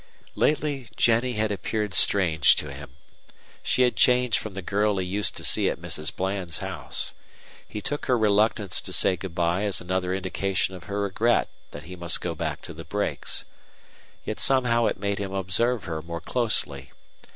Lately Jennie had appeared strange to him. She had changed from the girl he used to see at Mrs. Bland's house. He took her reluctance to say good by as another indication of her regret that he must go back to the brakes. Yet somehow it made him observe her more closely.